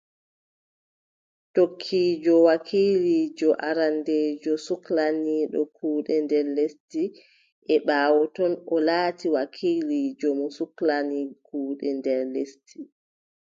Tokkiijo wakiiliijo arandeejo suklaniiɗo kuuɗe nder lesdi, e ɓaawo ton, o laati wakiiliijo mo suklani kuuɗe nder lesdi .